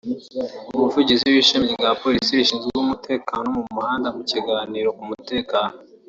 Umuvugizi w’ishami rya Polisi rishinzwe umutekano wo mu muhanda mu kiganiro ku mutekano